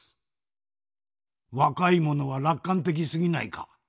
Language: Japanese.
若い者は楽観的すぎないか。